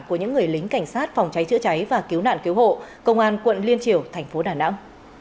của những người lính cảnh sát phòng cháy chữa cháy và cứu nạn cứu hộ công an quận liên triều thành phố đà nẵng